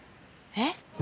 えっ？